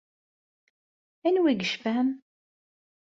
Anwa i yecfan?